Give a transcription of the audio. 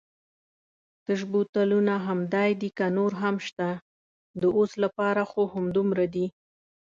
تش بوتلونه همدای دي که نور هم شته؟ د اوس لپاره خو همدومره دي.